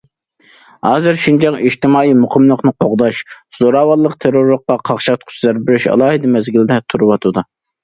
ھازىر شىنجاڭ ئىجتىمائىي مۇقىملىقنى قوغداش، زوراۋانلىق، تېررورلۇققا قاقشاتقۇچ زەربە بېرىش ئالاھىدە مەزگىلىدە تۇرۇۋاتىدۇ.